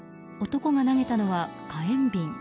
男が投げたのは火炎瓶。